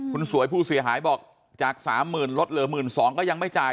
คุณสวยผู้เสียหายบอกจากสามหมื่นลดเหลือหมื่นสองก็ยังไม่จ่าย